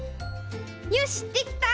よしできた！